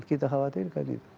kita khawatirkan itu